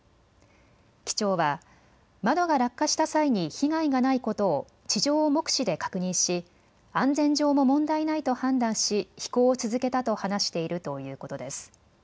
機長は窓が落下した際に被害がないことを地上を目視で確認し安全上も問題ないと判断し飛行を続けたと話しているということです。